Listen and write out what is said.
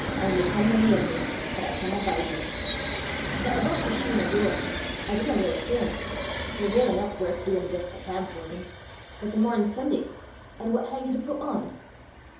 Only comena near me, for I canna bide ye.' But aboot thae shune o' yours, I dinna weel ken! They're weel eneuch worth duin' the best I can for them; but the morn's Sunday, an' what hae ye to put on?"